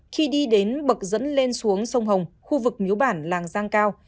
khi đi đến bậc dẫn lên xuống sông hồng khu vực nhú bản làng giang cao